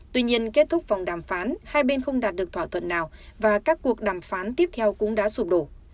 tuy nhiên kết thúc vòng đàm phán hai bên không đạt được thỏa thuận nào và các cuộc đàm phán tiếp theo cũng đã sụp đổ